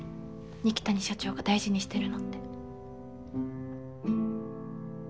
二木谷社長が大事にしてるのって。